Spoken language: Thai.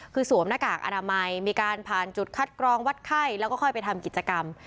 คือสวมหน้ากากอนามัยมีการผ่านจุดคัดกรองวัดไข้แล้วก็ค่อยไปทำกิจกรรม